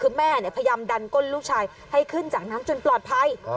คือแม่พยายามดันก้นลูกชายให้ขึ้นจากน้ำจนปลอดภัย